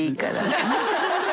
ハハハ